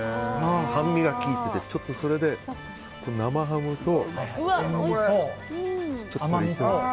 酸味が効いててちょっとそれで生ハムと。